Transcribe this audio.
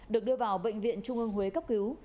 được đưa vào bệnh viện trung ương huế cấp cứu